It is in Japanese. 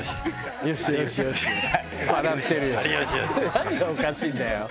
「何がおかしいんだよ！」